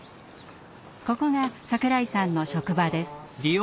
ここが櫻井さんの職場です。